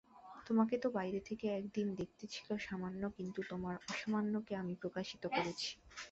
তোমাকে তো বাইরে থেকে একদিন দেখতে ছিল সামান্য কিন্তু তোমার অসামান্যকে আমি প্রকাশিত করেছি।